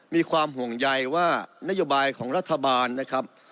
มีความห่วงใยว่านโยบายของรัฐบาลนะครับ